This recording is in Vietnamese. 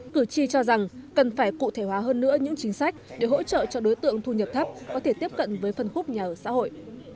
cử tri cho rằng cần phải cụ thể hóa hơn nữa những chính sách để hỗ trợ cho đối tượng thu nhập thấp có thể tiếp cận với phân khúc nhà ở xã hội